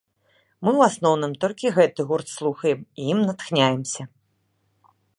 Мы ў асноўным толькі гэты гурт слухаем і ім натхняемся.